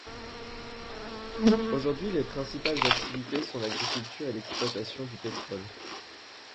Aujourd'hui, les principales activités sont l'agriculture et l'exploitation du pétrole.